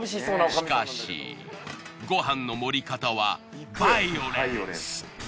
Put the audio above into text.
しかしご飯の盛り方はバイオレンス。